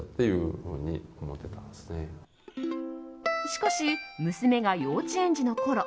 しかし、娘が幼稚園児のころ